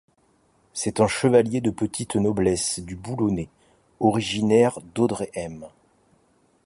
C'est un chevalier de petite noblesse du Boulonnais, originaire d'Audrehem.